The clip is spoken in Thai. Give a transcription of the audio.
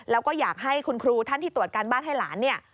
แล้วก็อยากให้คุณครูท่านที่ตรวจการบ้านให้หลานเนี่ย